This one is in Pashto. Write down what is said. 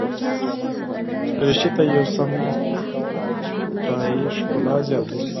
دریشي ته یو سم ټای ښکلا زیاتوي.